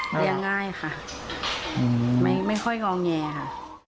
เลี้ยงง่ายค่ะไม่ค่อยงอแงค่ะ